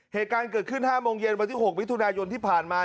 เหตุการณ์เกิดขึ้น๕โมงเย็นวันที่๖มิถุนายนที่ผ่านมา